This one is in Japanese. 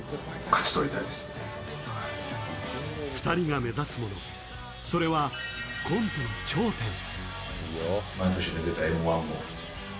２人が目指すもの、それはコントの頂点。